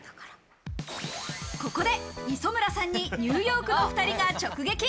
ここで磯村さんにニューヨークの２人が直撃。